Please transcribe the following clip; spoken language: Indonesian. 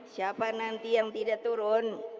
siapa nanti yang tidak turun